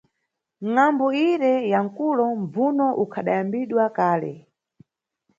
Ngʼambu ire ya mkulo mbvuno ukhadayambidwa kale.